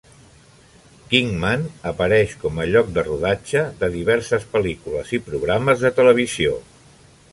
Kingman apareix com a lloc de rodatge de diverses pel·lícules i programes de televisió.